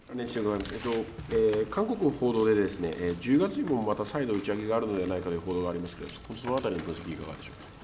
韓国の報道で、１０月にもまた再度打ち上げがあるのではないかという報道がありますけれども、そのあたりの分析いかがでしょうか。